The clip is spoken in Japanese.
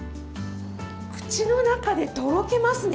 口の中でとろけますね。